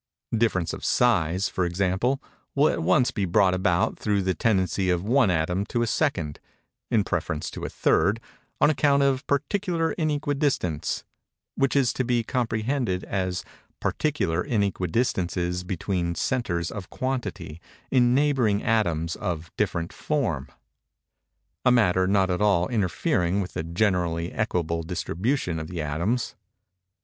Difference of size, for example, will at once be brought about through the tendency of one atom to a second, in preference to a third, on account of particular inequidistance; which is to be comprehended as particular inequidistances between centres of quantity, in neighboring atoms of different form—a matter not at all interfering with the generally equable distribution of the atoms.